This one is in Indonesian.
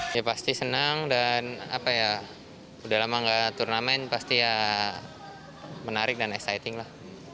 ya pasti senang dan udah lama nggak turnamen pasti ya menarik dan exciting lah